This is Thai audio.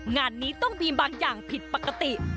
งานนี้ต้องมีบางอย่างผิดปกติ